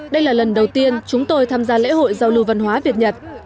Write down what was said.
đây là lần đầu tiên chúng tôi tham gia lễ hội giao lưu văn hóa việt nhật